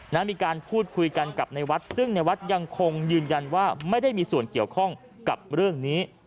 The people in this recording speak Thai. มีการพูดคุยกันกับในวัดซึ่งในวัดยังคงยืนยันว่าไม่ได้มีส่วนเกี่ยวข้องกับเรื่องนี้